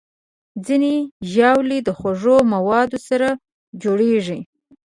ځینې ژاولې د خوږو موادو سره جوړېږي.